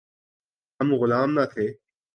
ہم غلام نہ تھے۔